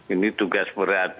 ini tugas berat